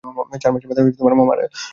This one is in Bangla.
চারমাসের মাথায় মা মারা গেলেন।